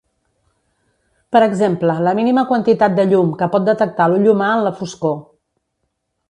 Per exemple, la mínima quantitat de llum que pot detectar l'ull humà en la foscor.